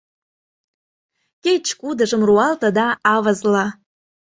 Кеч-кудыжым руалте да — авызле!